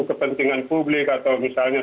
kepentingan publik atau misalnya